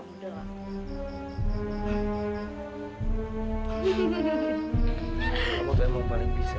kamu memang paling bisa ya